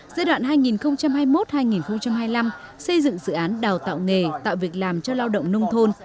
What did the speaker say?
giai đoạn hai nghìn hai mươi một hai nghìn hai mươi năm xây dựng dự án đào tạo nghề tạo việc làm cho lao động nông thôn vùng dân tộc thiểu số và các đối tượng chính sách